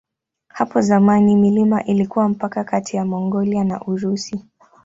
Hapo zamani milima ilikuwa mpaka kati ya Mongolia na Urusi.